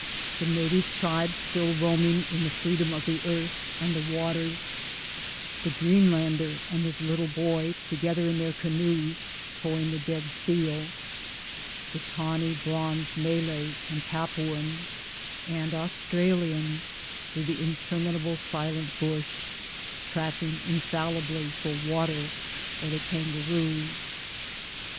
The native tribes still roaming in the freedom of the earth and the waters : the Greenlander and his little boy together in their canoe towing the dead seal, the tawny bronzed Malay, and Papuan, and Australian through the interminable silent bush tracking infallibly for water or the kangaroo